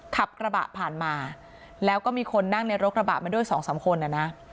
ขับกระบะผ่านมาแล้วก็มีคนนั่งในรถกระบะมาด้วยสองสามคนนะนะ